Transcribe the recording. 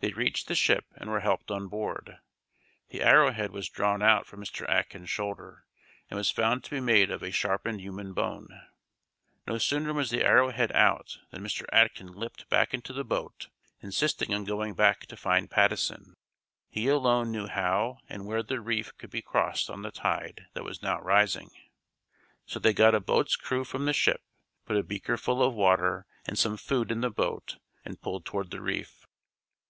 They reached the ship and were helped on board. The arrow head was drawn out from Mr. Atkin's shoulder, and was found to be made of a sharpened human bone. No sooner was the arrow head out than Mr. Atkin leapt back into the boat, insisting on going back to find Patteson. He alone knew how and where the reef could be crossed on the tide that was now rising. So they got a boat's crew from the ship, put a beaker full of water and some food in the boat, and pulled toward the reef.